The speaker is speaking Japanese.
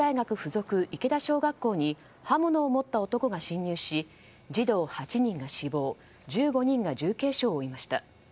附属池田小学校に刃物を持った男が侵入し児童８人が死亡１５人が重軽傷を負いました。